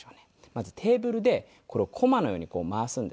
まずテーブルでこれをこまのように回すんですよ。